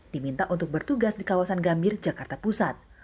diminta untuk bertugas di kawasan gambir jakarta pusat